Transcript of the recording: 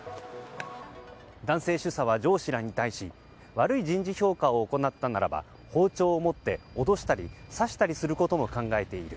男性主査は上司らに対し悪い人事評価を行ったならば包丁を持って脅したり刺したりすることも考えている。